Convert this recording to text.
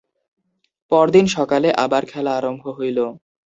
পরদিন সকালে আবার খেলা আরম্ভ হইল।